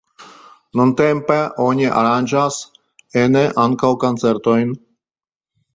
Nuntempe oni aranĝas ene ankaŭ koncertojn.